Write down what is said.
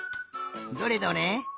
どれどれ？